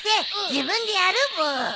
自分でやるブー。